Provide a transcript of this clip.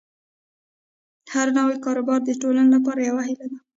هر نوی کاروبار د ټولنې لپاره یوه هیله ده.